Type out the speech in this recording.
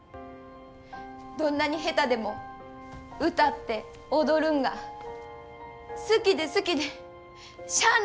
どんなに下手でも歌って踊るんが好きで好きでしゃあないねん。